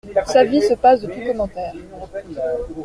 Sa vie se passe de tout commentaire.